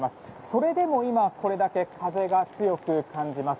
それでも今これだけ風が強く感じます。